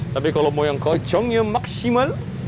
tapi kalau mau yang kacangnya maksimal